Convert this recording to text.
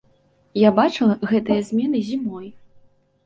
Я бачыла гэтыя змены зімой.